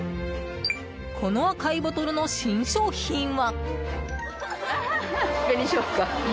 この赤いボトルの新商品は。